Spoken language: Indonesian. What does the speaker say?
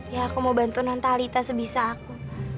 ya aku mau bantu non talita sebisa aku